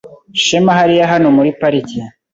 Shema hariya hano muri parike.